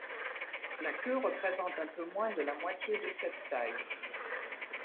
La queue représente un peu moins de la moitié de cette taille.